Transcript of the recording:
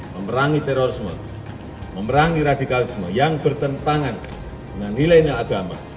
memerangi terorisme memerangi radikalisme yang bertentangan dengan nilainya agama